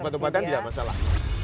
obat obatan tidak masalah